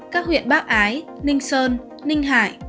các huyện bác ái ninh sơn ninh hải